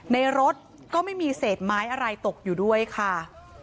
ในรถก็ไม่มีเศษไม้อะไรตกอยู่ด้วยค่ะ